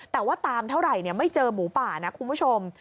แต่ว่าตามเท่าไหร่ไม่เจอหมูป่านะคุณผู้ชม